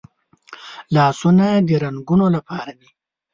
لاسونه د رنګولو لپاره دي